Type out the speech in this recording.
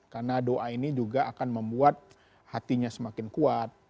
karena doa ini juga akan membuat hatinya semakin kuat